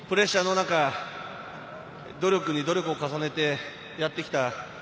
本当にプレッシャーの中、努力に努力を重ねてやってきた。